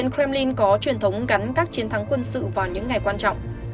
kremlin có truyền thống gắn các chiến thắng quân sự vào những ngày quan trọng